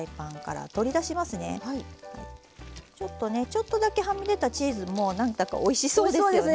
ちょっとだけはみ出たチーズも何だかおいしそうですよね。